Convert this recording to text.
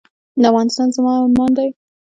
افغانستان زما ارمان دی